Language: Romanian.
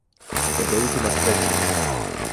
E de ultima speță.